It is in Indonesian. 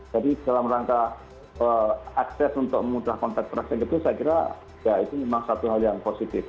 jadi dalam rangka akses untuk memudah kontak tracing itu saya kira ya itu memang satu hal yang positif